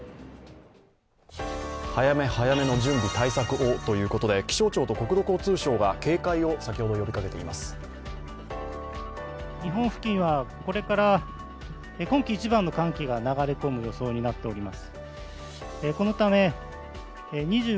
早め早めの準備・対策をということで気象庁と国土交通省は警戒を先ほど呼びかけています。